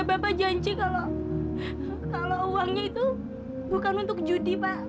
bapak janji kalau uangnya itu bukan untuk judi pak